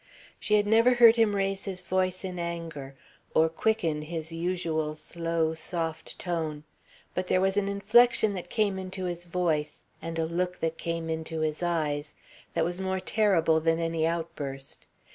She had never heard him raise his voice in anger or quicken his usual slow, soft tone, but there was an inflection that came into his voice and a look that came into his eyes that was more terrible than any outburst.